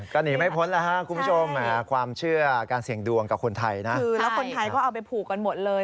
ก็หนีไม่พ้นแล้วฮะคุณผู้ชมความเชื่อการเสี่ยงดวงกับคนไทยนะคือแล้วคนไทยก็เอาไปผูกกันหมดเลย